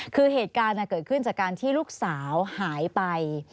คือเหตุการณ์เกิดขึ้นจากการที่ลูกสาวหายไป